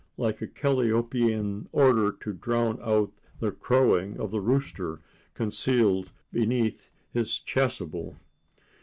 like a calliope in order to drown out the crowing of the rooster concealed beneath his chasuble.